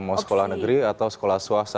mau sekolah negeri atau sekolah swasta